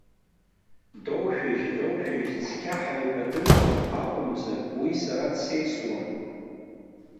Доушәыжь, доушәыжь, цқьа ҳаибадырқәом акымзар, уи сара дсеисуам.